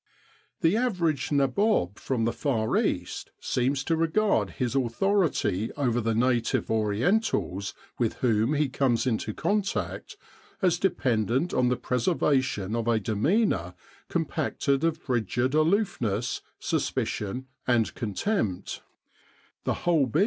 The average Nabob from the Far East seems to regard his authority over the native Orientals with whom he comes into contact as dependent on the preservation of a demeanour compacted of frigid aloofness, suspicion, and contempt, the whole being 292 IN THE CAMEL LINES: SINAI DESERT.